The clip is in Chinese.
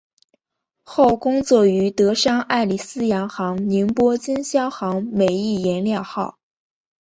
后工作于德商爱礼司洋行宁波经销行美益颜料号。